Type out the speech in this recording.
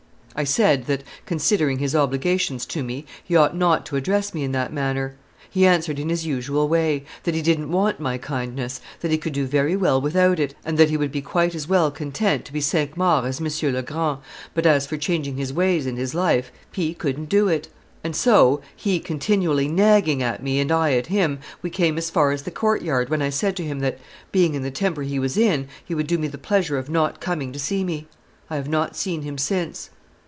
I said that, considering his obligations to me, he ought not to address me in that manner. He answered in his usual way: that he didn't want my kindness, that he could do very well without it, and that he would be quite as well content to be Cinq Mars as M. Le Grand, but, as for changing his ways and his life, he couldn't do it. And so, he continually knagging at me and I at him, we came as far as the court yard, when I said to him that, being in the temper he was in, he would do me the pleasure of not coming to see me. I have not seen him since.